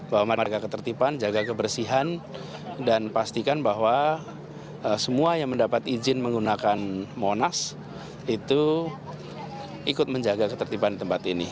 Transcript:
bahwa marga ketertiban jaga kebersihan dan pastikan bahwa semua yang mendapat izin menggunakan monas itu ikut menjaga ketertiban di tempat ini